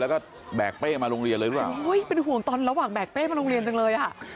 แล้วก็แบกเป้มาโรงเรียนเลยด้วยโอ้ยเป็นห่วงตอนระหว่างแกกเป้มาโรงเรียนจังเลยอ่ะ